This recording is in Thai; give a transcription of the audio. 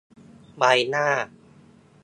ใบหน้า